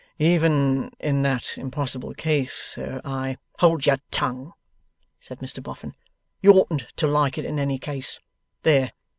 'Even in that impossible case, sir, I ' 'Hold your tongue!' said Mr Boffin. 'You oughtn't to like it in any case. There!